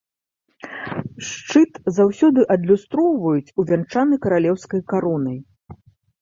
Шчыт заўсёды адлюстроўваюць увянчаны каралеўскай каронай.